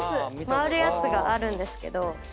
回るやつがあるんですけど。